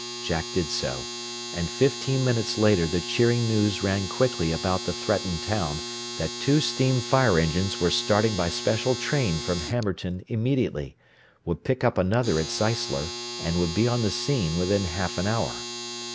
Jack did so. And fifteen minutes later the cheering news ran quickly about the threatened town that two steam fire engines were starting by special train from Hammerton immediately, would pick up another at Zeisler, and would be on the scene within half an hour.